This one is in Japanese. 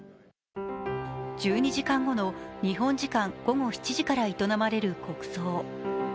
１２時間後の日本時間午後７時から営まれる国葬。